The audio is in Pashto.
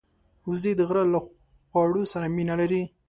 وزې د غره له خواړو سره مینه لري